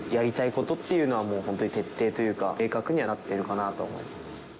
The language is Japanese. ことっていうのは、もう本当に徹底というか、明確にはなっているかなと思います。